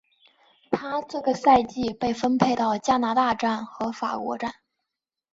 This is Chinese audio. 她这个赛季被分配到加拿大站和法国站。